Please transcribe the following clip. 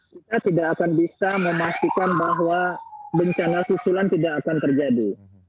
kita tidak akan bisa memastikan bahwa bencana susulan tidak akan terjadi